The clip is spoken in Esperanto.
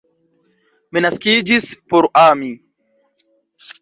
Mi naskiĝis por ami.